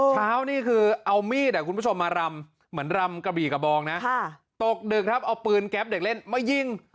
เช้านี่คือเอามีดคุณผู้ชมมารำเหมือนรำกระบี่กระบองนะตกดึกครับเอาปืนแก๊ปเด็กเล่นมายิง